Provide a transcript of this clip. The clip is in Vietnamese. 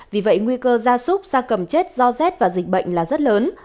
vì vậy nguy cơ ra súc ra cầm chết do rét và dịch bệnh là rất lớn